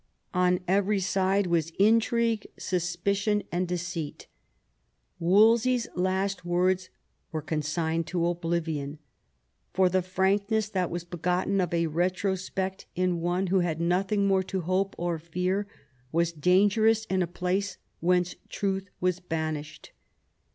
On every side was intrigue, suspicion, and deceit Wolse3r's last words were consigned to oblivion ; for the frankness that was begotten of a retrospect in one who had nothing more to hope or fear was dangerous in a place whence truth was banished.